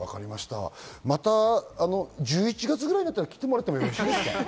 また１１月くらいになったら来てもらってもいいですか？